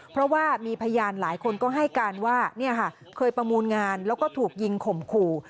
เพราะว่ามีพยานหลายคนก็ให้การว่าเคยประมูลงานแล้วก็ถูกยิงข่มขู่